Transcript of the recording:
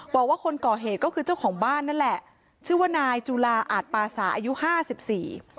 บอกว่าคนก่อเหตุก็คือเจ้าของบ้านนั่นแหละชื่อว่านายจุลาอาจปาสาอายุห้าสิบสี่